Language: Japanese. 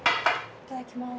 いただきます。